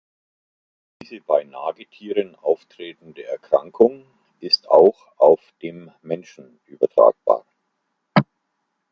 Diese bei Nagetieren auftretende Erkrankung ist auch auf dem Menschen übertragbar.